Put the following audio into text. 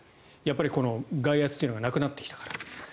外圧というのがなくなってきたから。